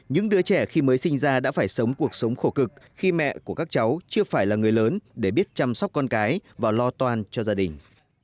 những đứa trẻ khi mới sinh ra đã phải sống cuộc sống khổ cực khi mẹ của các cháu chưa phải là người lớn để biết chăm sóc con cái và lo toan cho gia đình